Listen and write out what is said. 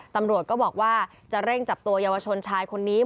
ตำรวจก็บอกว่าจะเร่งจับตัวเยาวชนชายคนนี้